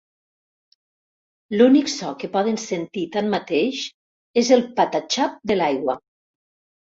L'únic so que poden sentir, tanmateix, és el patatxap de l'aigua.